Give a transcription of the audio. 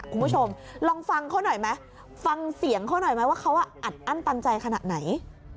คุณผู้ชมลองฟังเขาหน่อยไหมฟังเสียงเขาหน่อยไหมว่าเขาอัดอั้นตันใจขนาดไหน